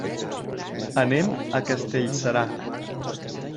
Anem a Castellserà.